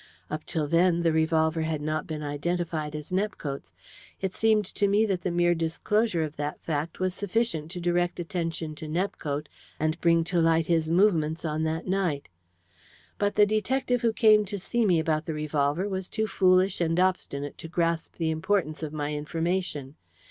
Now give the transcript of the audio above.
Up till then the revolver had not been identified as Nepcote's. It seemed to me that the mere disclosure of that fact was sufficient to direct attention to Nepcote and bring to light his movements on that night. But the detective who came to see me about the revolver was too foolish and obstinate to grasp the importance of my information.